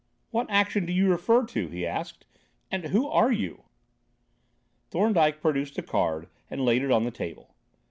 "What action do you refer to?" he asked. "And, who are you?" Thorndyke produced a card and laid it on the table.